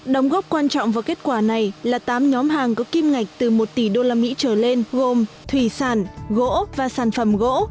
đồng góp quan trọng vào kết quả này là tám nhóm hàng có kim ngạch từ một tỷ usd trở lên gồm thủy sản gỗ và sản phẩm gỗ